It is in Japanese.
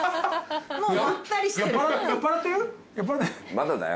まだだよ。